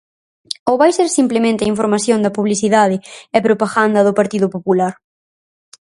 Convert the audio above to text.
¿Ou vai ser simplemente a información da publicidade e propaganda do Partido Popular?